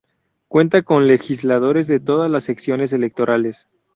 Cuenta con legisladores de todas las secciones electorales.